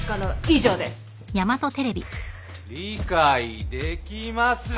理解できますか！？